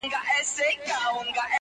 سمدستي د خپل کهاله پر لور روان سو٫